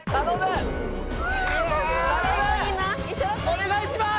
お願いします